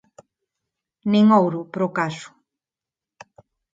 Nin ouro, para o caso.